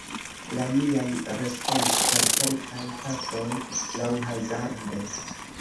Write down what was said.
La niaj respondis per kelkaj pafoj, laŭhazarde.